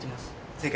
正解。